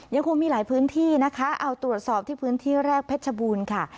ยังคงมีหลายพื้นที่นะคะเอาตรวจสอบที่พื้นที่แรกเพชรบูรณ์ค่ะ